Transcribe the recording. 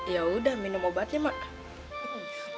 yaudah minum obatnya mak